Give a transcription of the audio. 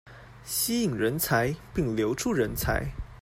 吸引人才並留住人才